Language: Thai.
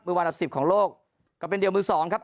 มือวันดับ๑๐ของโลกก็เป็นเดียวมือ๒ครับ